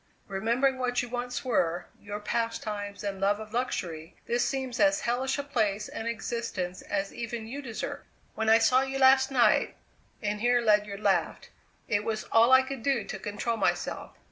Remembering what you once were, your pastimes and love of luxury, this seems as hellish a place and existence as even you deserve. When I saw you last night" and here Ledyard laughed "it was all I could do to control myself.